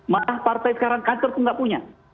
maka partai sekarang kanker pun tidak punya